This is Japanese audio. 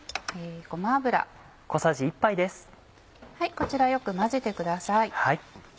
こちらよく混ぜてください。